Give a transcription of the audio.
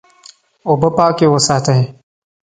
اوبه پاکې وساتئ.